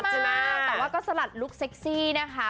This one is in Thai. เซ็กซี่มากแต่ว่าก็สลัดลูกเซ็กซี่นะคะ